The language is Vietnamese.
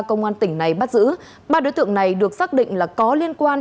công an tỉnh này bắt giữ ba đối tượng này được xác định là có liên quan